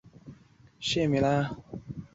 中波在蒙古国乔巴山发射。